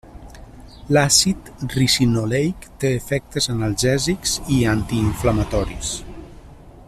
L'àcid ricinoleic té efectes analgèsics i antiinflamatoris.